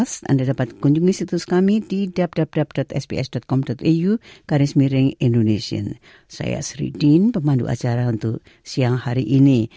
saya sri din pemandu acara untuk siang hari ini